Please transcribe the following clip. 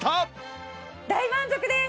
大満足です！